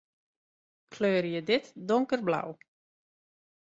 Kleurje dit donkerblau.